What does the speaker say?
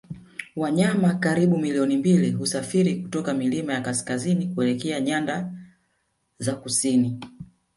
Wanyama karibu milioni mbili husafiri kutoka milima ya kaskazini kuelekea nyanda za kusini